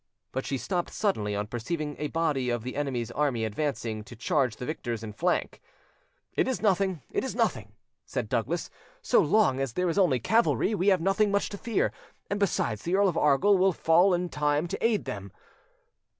But she stopped suddenly on perceiving a body of the enemy's army advancing to charge the victors in flank. "It is nothing, it is nothing," said Douglas; "so long as there is only cavalry we have nothing much to fear, and besides the Earl of Argyll will fall in in time to aid them."